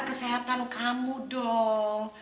kesehatan kamu dong